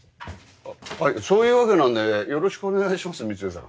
そういうわけなんでよろしくお願いします光代さん。